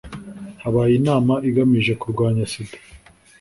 habaye inama igamije kurwanya sida .